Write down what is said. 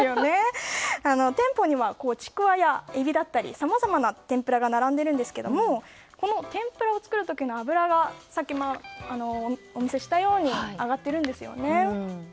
店舗にはちくわやエビだったりさまざまな天ぷらが並んでいるんですがこの天ぷらを作る時の油が、先ほどお見せしたように上がっているんですよね。